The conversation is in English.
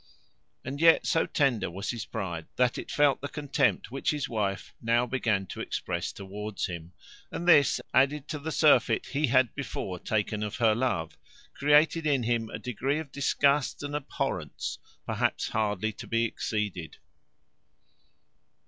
And yet so tender was his pride, that it felt the contempt which his wife now began to express towards him; and this, added to the surfeit he had before taken of her love, created in him a degree of disgust and abhorrence, perhaps hardly to be exceeded.